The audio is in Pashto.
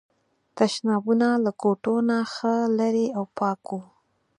تشنابونه له کوټو نه ښه لرې او پاک وو.